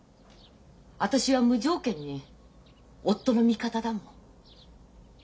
私は無条件に夫の味方だもの。